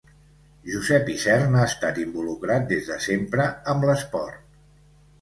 Josep Isern ha estat involucrat des de sempre amb l'esport.